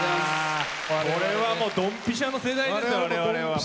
これはもうドンピシャの世代ですから我々は。